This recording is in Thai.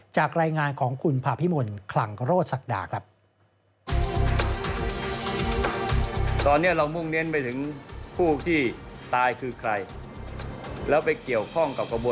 จากรายงานของคุณภาพิมลคลังโรศักดาครับ